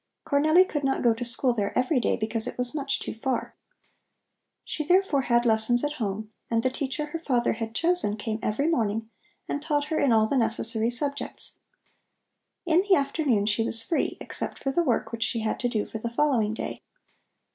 Cornelli could not go to school there every day because it was much too far. She therefore had lessons at home, and the teacher her father had chosen came every morning and taught her in all the necessary subjects. In the afternoon she was free, except for the work which she had to do for the following day.